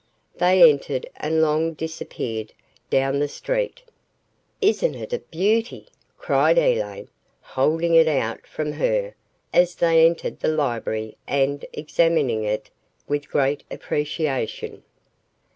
They entered and Long disappeared down the street. "Isn't it a beauty?" cried Elaine, holding it out from her, as they entered the library and examining it with great appreciation.